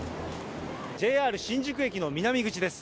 ＪＲ新宿駅の南口です。